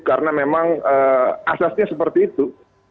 karena memang asasnya seperti itu